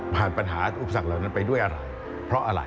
ปัญหาอุปสรรคเหล่านั้นไปด้วยอะไรเพราะอะไร